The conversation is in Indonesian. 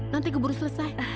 nanti keburu selesai